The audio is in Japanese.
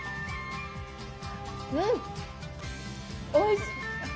うん、おいしい。